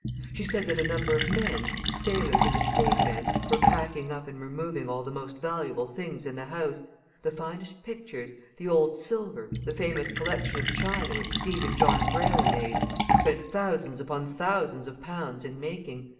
She said that a number of men, sailors and estate men, were packing up and removing all the most valuable things in the house the finest pictures, the old silver, the famous collection of china which Stephen John Greyle made and spent thousands upon thousands of pounds in making!